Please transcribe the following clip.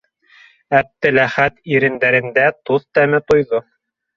Әптеләхәт ирендәрендә тоҙ тәме тойҙо.